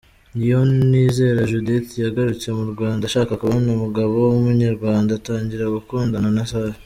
Niyonizera Judith yagarutse mu Rwanda ashaka kubona umugabo w’umunyarwanda, atangira gukundana na Safi.